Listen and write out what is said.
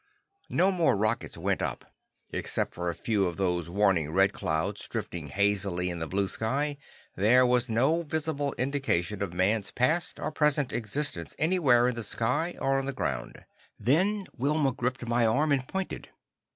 No more rockets went up. Except for a few of those warning red clouds, drifting lazily in a blue sky, there was no visible indication of man's past or present existence anywhere in the sky or on the ground. Then Wilma gripped my arm and pointed.